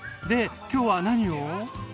で今日は何を？